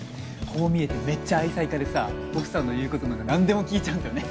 こう見えてめっちゃ愛妻家でさ奥さんの言うことならなんでも聞いちゃうんだね。